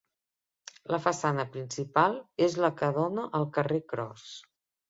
La façana principal és la que dóna al carrer Cros.